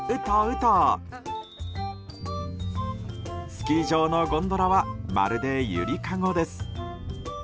スキー場のゴンドラはまるで揺りかごです。